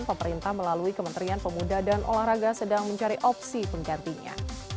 pemerintah melalui kementerian pemuda dan olahraga sedang mencari opsi penggantinya